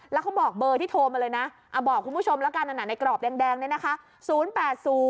แล้วเขาบอกเบอร์ที่โทรมาเลยนะบอกคุณผู้ชมแล้วกันในกรอบแดงเนี่ยนะคะ